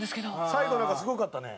最後なんかすごかったね。